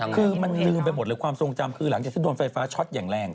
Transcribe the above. คือมันลืมไปหมดเลยความทรงจำคือหลังจากที่โดนไฟฟ้าช็อตอย่างแรง